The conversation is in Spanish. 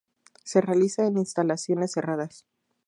Se realiza en instalaciones cerradas.